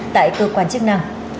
tại cơ quan chức năng